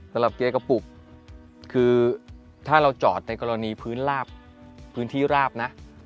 สำหรับเกียร์กระปุกคือถ้าเราจอดในภื้นหลาบได้